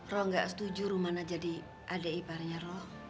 roh gak setuju rumahnya jadi adik iparnya roh